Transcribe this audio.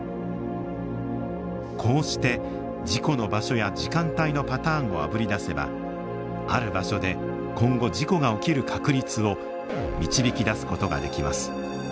こうして事故の場所や時間帯のパターンをあぶり出せばある場所で今後事故が起きる確率を導き出す事ができます。